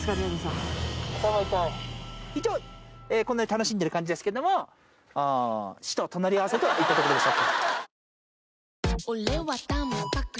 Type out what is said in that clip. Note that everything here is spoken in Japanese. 一応こんなに楽しんでる感じですけども死と隣り合わせといったところでしょうか。